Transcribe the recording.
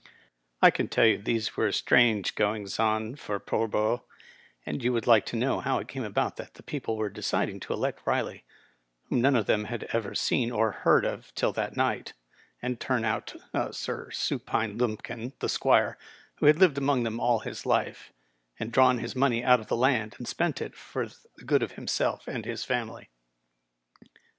I can tell you these were strange goings on for Pull borough, and you would like to know how it came about that the people were deciding to elect Riley, whom none of them had ever seen or heard of till that night, and turn out old Sir Supine Lumpkin, the Squire, who had hVed among them all his life, and drawn his money out of the land, and spent it for the good of himself and his family.